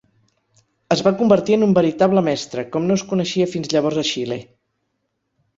Es va convertir en un veritable mestre, com no es coneixia fins llavors a Xile.